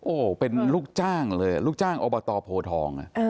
โอ้โหเป็นลูกจ้างเลยลูกจ้างอบตโพทอง